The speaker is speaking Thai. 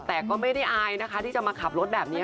แต่ก็ไม่ได้อายนะคะที่จะมาขับรถแบบนี้